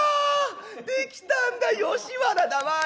出来たんだ吉原だわい！